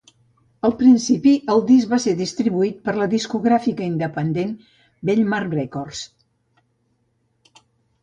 Al principi el disc va ser distribuït per la discogràfica independent Bellmark Records.